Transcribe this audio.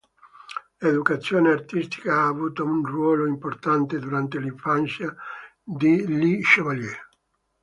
L'educazione artistica ha avuto un ruolo importante durante l'infanzia di Li Chevalier.